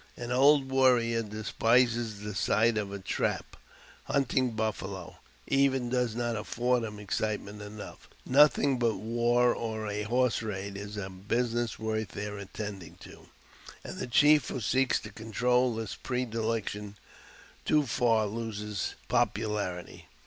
An old warrior despises the sight of a trap ; hunting buffalo, even, does not afford him excitement enough. Nothing but war or a horse raid is a business worth their attending to, and the chief who seeks to control this pre dilection too far loses popularity.